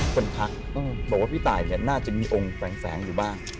คนทักบอกว่าพี่ตายเนี่ยน่าจะมีองค์แฝงอยู่บ้าง